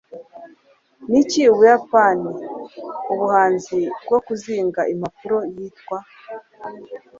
Niki Ubuyapani Ubuhanzi bwo Kuzinga Impapuro Yitwa